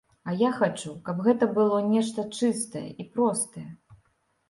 А я хачу, каб гэта было нешта чыстае і простае.